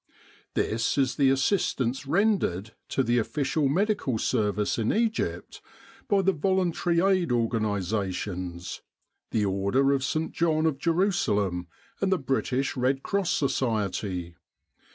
This is the assistance rendered to the official Medical Service in Egypt by the Voluntary Aid Organisa tions, the Order of Saint John of Jerusalem and the British Red Cross Society.